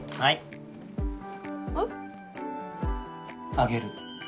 あげる。